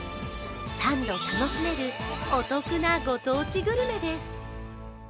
３度楽しめるお得なご当地グルメです。